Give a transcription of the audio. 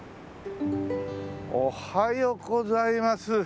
おはようございます。